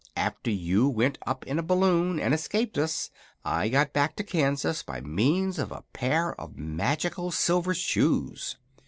After you went up in a balloon, and escaped us, I got back to Kansas by means of a pair of magical silver shoes."